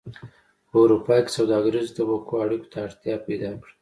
په اروپا کې سوداګریزو طبقو اړیکو ته اړتیا پیدا کړه